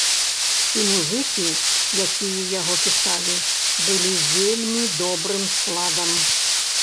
І музыкі, якія яго пісалі, былі вельмі добрым складам.